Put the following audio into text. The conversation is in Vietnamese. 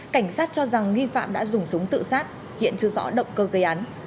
cảnh sát cho rằng nghi phạm đã dùng súng tự sát hiện chưa rõ động cơ gây án